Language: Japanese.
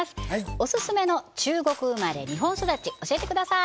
オススメの中国生まれ日本育ち教えてください！